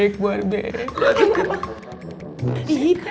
ih cepetan cepetan